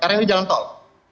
karena ini jalan tol